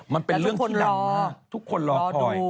มันเป็นเรื่องที่หลั่นมากทุกคนรอดู